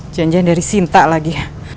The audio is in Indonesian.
janjian dari sinta lagi